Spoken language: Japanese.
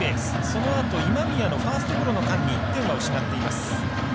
そのあと、今宮のファーストゴロの間に１点は失っています。